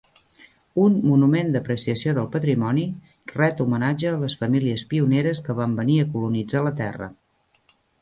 Un "Monument d'apreciació del patrimoni" ret homenatge a les famílies pioneres que van venir a colonitzar la terra.